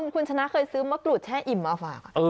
คุณชนะเคยซื้อมะกรูดแช่อิ่มมาฝาก